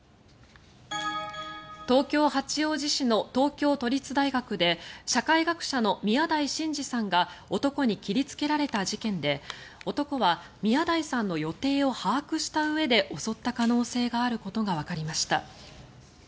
東京・八王子市の東京都立大学で社会学者の宮台真司さんが男に切りつけられた事件で男は宮台さんの予定を把握したうえで襲った可能性があることがわかりました。